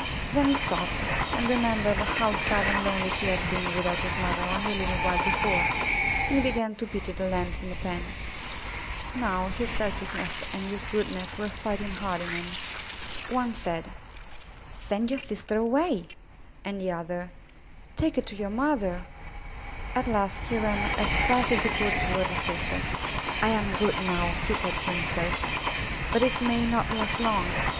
Then he stopped and remembered how sad and lonely he had been without his mother only a little while before, and he began to pity the Lambs in the pen. Now his selfishness and his goodness were fighting hard in him. One said, *'Send your sister away," and the other, *Take her to your mother/* At last he ran as fast as he could toward his sister. "I am good now," he said to himself, *'but it may not last long.